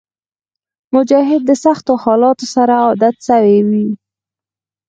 مجاهد د سختو حالاتو سره عادت وي.